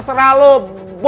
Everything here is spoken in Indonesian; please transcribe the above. gerak lagi nih